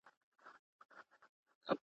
پېژندلی پر ایران او پر خُتن وو!